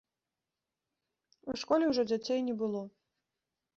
У школе ўжо дзяцей не было.